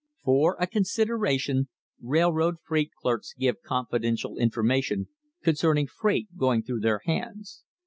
For a "consideration" railroad freight clerks give confidential information concerning freight going through their hands.